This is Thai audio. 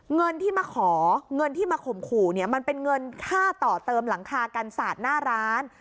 เงินที่มาขอเงินที่มาข่มขู่เนี่ยมันเป็นเงินค่าต่อเติมหลังคากันศาสตร์หน้าร้าน